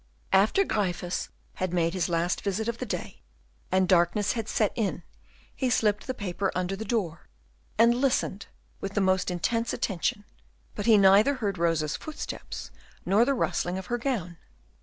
After Gryphus had made his last visit of the day, and darkness had set in, he slipped the paper under the door, and listened with the most intense attention, but he neither heard Rosa's footsteps nor the rustling of her gown.